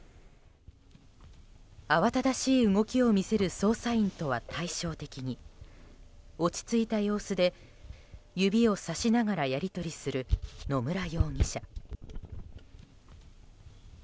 慌ただしい動きを見せる捜査員とは対照的に落ち着いた様子で指をさしながらやり取りする野村容疑者。